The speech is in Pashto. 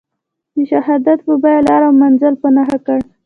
د شهادت په بیه لار او منزل په نښه کړ.